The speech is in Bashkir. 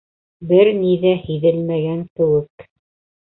Бер ни ҙә һиҙелмәгән кеүек.